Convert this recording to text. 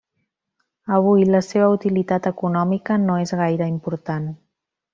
Avui la seva utilitat econòmica no és gaire important.